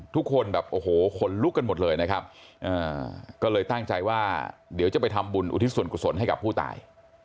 ทุกคนแบบโอ้โหคนลุกกันหมดเลยนะครับก็เลยตั้งใจว่าเดี๋ยวจะไปทำบุญอุทิศส่วนกุศลให้กับผู้ตาย